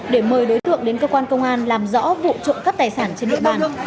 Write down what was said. để mời đối tượng đến cơ quan công an làm rõ vụ trộm cắp tài sản trên địa bàn